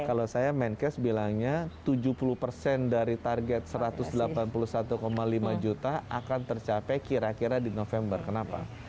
kalau saya menkes bilangnya tujuh puluh persen dari target satu ratus delapan puluh satu lima juta akan tercapai kira kira di november kenapa